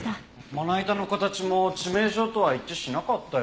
まな板の形も致命傷とは一致しなかったよ。